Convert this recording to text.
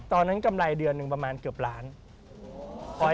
ตอนนั้นกำไรเดือนหนึ่งประมาณเกือบล้านบาท